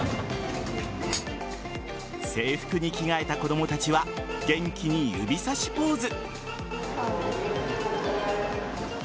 制服に着替えた子供たちは元気に指さしポーズ。